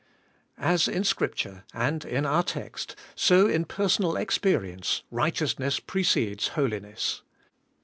As in Scripture, and in our text, so in personal experience righteousness precedes holiness.